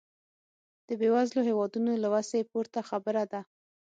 د بېوزلو هېوادونو له وسې پورته خبره ده.